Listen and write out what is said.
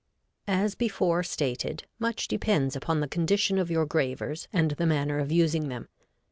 [Illustration: Fig. 13.] As before stated, much depends upon the condition of your gravers and the manner of using them.